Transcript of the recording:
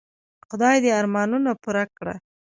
خدای دي ارمانونه پوره کړه .